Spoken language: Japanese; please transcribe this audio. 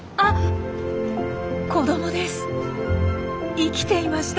生きていました。